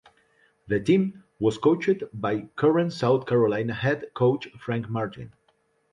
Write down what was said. The team was coached by current South Carolina head coach Frank Martin.